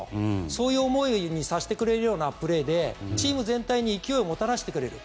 そういう思いにさせてくれるようなプレーでチーム全体に勢いをもたらしてくれる。